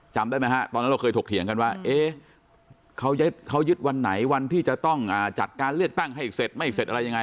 จำได้ไหมฮะตอนนั้นเราเคยถกเถียงกันว่าเขายึดวันไหนวันที่จะต้องจัดการเลือกตั้งให้เสร็จไม่เสร็จอะไรยังไง